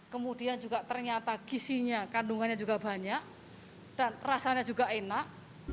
kemudian juga ternyata gisinya kandungannya juga banyak dan rasanya juga enak